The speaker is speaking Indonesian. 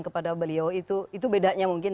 kepada beliau itu itu bedanya mungkin